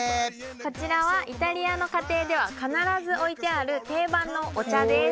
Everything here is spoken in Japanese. こちらはイタリアの家庭では必ず置いてある定番のお茶です